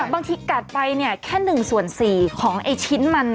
บางทีกัดไปแค่๑ส่วน๔ของไอ้ชิ้นมัน